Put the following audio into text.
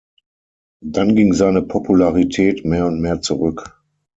Dann ging seine Popularität mehr und mehr zurück.